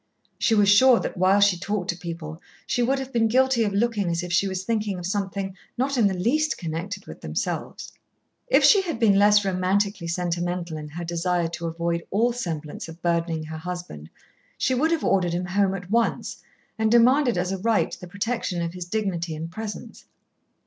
She was sure that while she talked to people she would have been guilty of looking as if she was thinking of something not in the least connected with themselves. If she had been less romantically sentimental in her desire to avoid all semblance of burdening her husband she would have ordered him home at once, and demanded as a right the protection of his dignity and presence.